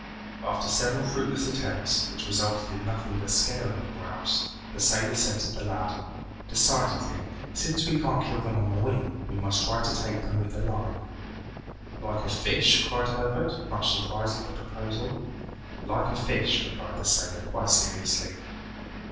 After several fruitless attempts, which resulted in nothing but scaring the grouse, the sailor said to the lad, "Decidedly, since we can't kill them on the wing, we must try to take them with a line." "Like a fish?" cried Herbert, much surprised at the proposal. "Like a fish," replied the sailor quite seriously.